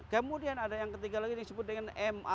kemudian ada yang ketiga lagi disebut dengan m o a